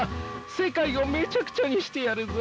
世界をめちゃくちゃにしてやるぞ！